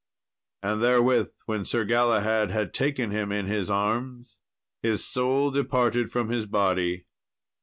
And therewith, when Sir Galahad had taken him in his arms, his soul departed from his body.